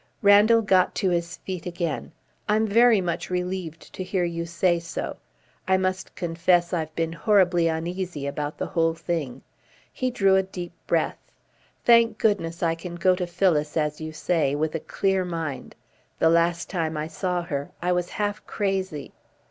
Randall got to his feet again. "I'm very much relieved to hear you say so. I must confess I've been horribly uneasy about the whole thing." He drew a deep breath. "Thank goodness I can go to Phyllis, as you say, with a clear mind. The last time I saw her I was half crazy."